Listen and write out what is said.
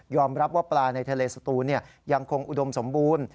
รับว่าปลาในทะเลสตูนยังคงอุดมสมบูรณ์